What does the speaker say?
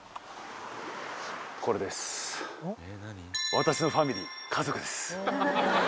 私のファミリー家族です